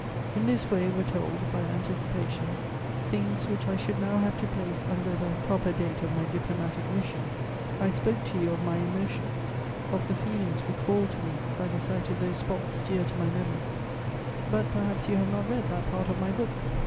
In this way were told, by anticipation, things which I should now have to place under the proper date of my diplomatic mission. I spoke to you of my emotion, of the feelings recalled to me by the sight of those spots dear to my memory; but perhaps you have not read that part of my book?